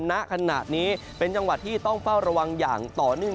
ณขณะนี้เป็นจังหวัดที่ต้องเฝ้าระวังอย่างต่อเนื่อง